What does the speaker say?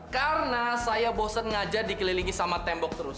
karena saya bosen ngajar dikelilingi sama tembok terus